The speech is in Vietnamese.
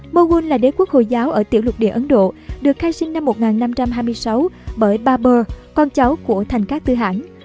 mughul là đế quốc hồi giáo ở tiểu lục địa ấn độ được khai sinh năm một nghìn năm trăm hai mươi sáu bởi babur con cháu của thành các tư hãng